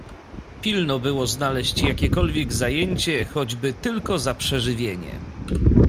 "Pilno było znaleźć jakiekolwiek zajęcie, choćby tylko za przeżywienie."